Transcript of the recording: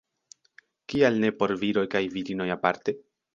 Kial ne por viroj kaj virinoj aparte?